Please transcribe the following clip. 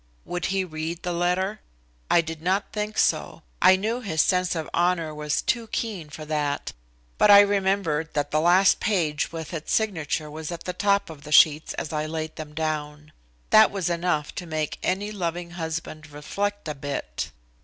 Would he read the letter? I did not think so. I knew his sense of honor was too keen for that, but I remembered that the last page with its signature was at the top of the sheets as I laid them down. That was enough to make any loving husband reflect a bit.